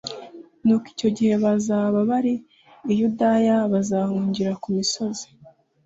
Nuko icyo gihe abazaba bari i Yudaya bazahungire ku misozi,